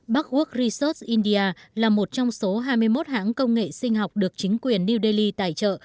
backwork researt india là một trong số hai mươi một hãng công nghệ sinh học được chính quyền new delhi tài trợ